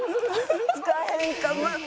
つかへんか。